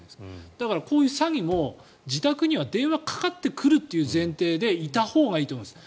だから、こういう詐欺も自宅には電話かかってくるという前提でいたほうがいいと思います。